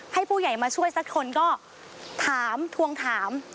ให้ผู้ใหญ่มาช่วยสักคนก็ถามทวงถาม